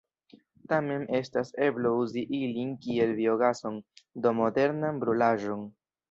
Tamen estas eblo uzi ilin kiel biogason, do modernan brulaĵon.